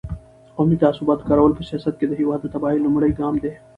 د قومي تعصباتو کارول په سیاست کې د هېواد د تباهۍ لومړی ګام دی.